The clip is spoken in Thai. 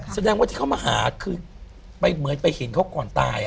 แสดงว่าที่เขามาหาคือไปเหมือนไปเห็นเขาก่อนตาย